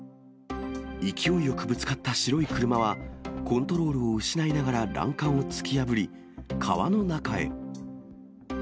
勢いよくぶつかった白い車は、コントロールを失いながら欄干を突き破り、川の中へ。